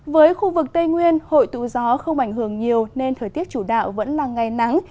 với khu vực tây nguyên hội tụ gió không ảnh hưởng nhiều nên thời tiết chủ đạo vẫn là ngày nắng